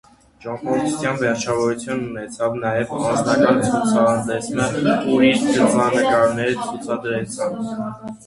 Ճամբորդութեան վերջաւորութեան ունեցաւ նաեւ անձնական ցուցահանդէս մը, ուր իր գծանկաները ցուցադրուեցան։